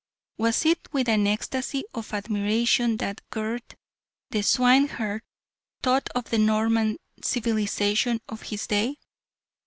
Was it with an ecstasy of admiration that Gurth the swineherd thought of the Norman civilisation of his day?